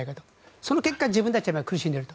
その結果自分たちが苦しんでいると。